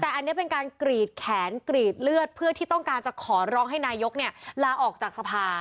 แต่อันนี้เป็นการกรีดแขนกรีดเลือดเพื่อที่ต้องการจะขอร้องให้นายกลาออกจากสภา